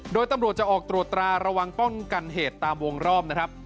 โดยตำรวจจะออกตรวจตราระวังป้องกันเหตุตามวงรอบนะครับ